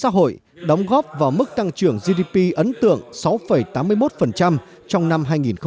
phát triển kinh tế xã hội đóng góp vào mức tăng trưởng gdp ấn tượng sáu tám mươi một trong năm hai nghìn một mươi bảy